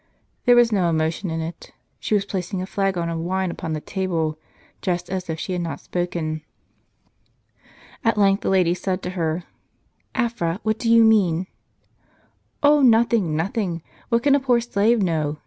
There was no emotion in it; she was placing a flagon of wine upon the table, just as if she had not spoken. At length the lady said to her :" Afra, what do you mean ?" "Oh, nothing, nothing. What can a poor slave know?